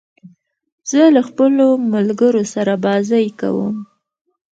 زه له خپلو ملګرو سره بازۍ کوم.